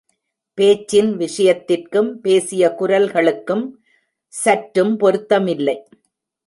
பேச்சின் விஷயத்திற்கும் பேசிய குரல்களுக்கும் சற்றும் பொருத்தமில்லை.